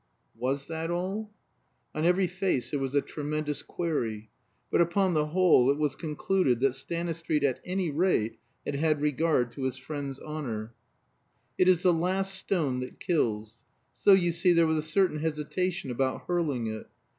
Was that all? On every face there was a tremendous query. But upon the whole it was concluded that Stanistreet at any rate had had regard to his friend's honor. It is the last stone that kills; so, you see, there was a certain hesitation about hurling it.